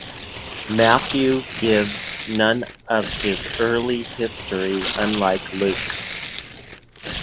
Matthew gives none of his early history, unlike Luke.